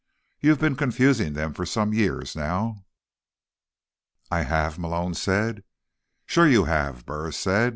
You've been confusing them for some years now." "I have?" Malone said. "Sure you have," Burris said.